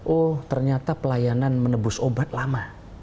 oh ternyata pelayanan menebus obat lama